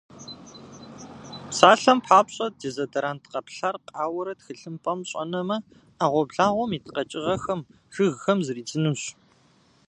Псалъэм папщӏэ, дезодорант къэплъар къауэрэ тхылъымпӏэм щӏэнэмэ, ӏэгъуэблагъэм ит къэкӏыгъэхэм, жыгхэм зридзынущ.